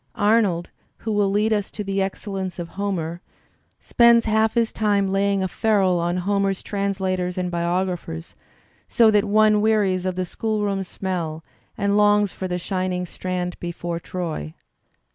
Arnold, who will lead us to the excellence of Homer, spends half his time laying a ferule on Homer's translators and biographers, so that one wearies of the school room smell and longs for the shining strand before Troy.